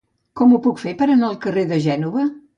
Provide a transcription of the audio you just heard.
Com ho puc fer per anar al carrer de Gènova?